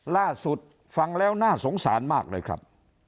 ล่าสุดฟังแล้วน่าสงสารมากเลยครับ